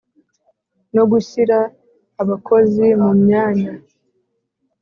no gushyira abakozi mu myanya